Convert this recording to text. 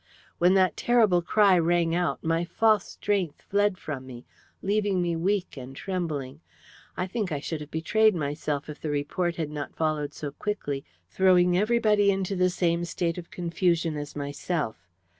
When that terrible cry rang out my false strength fled from me, leaving me weak and trembling. I think I should have betrayed myself if the report had not followed so quickly, throwing everybody into the same state of confusion as myself.